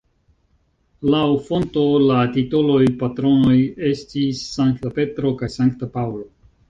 Laŭ fonto la titoloj (patronoj) estis Sankta Petro kaj Sankta Paŭlo.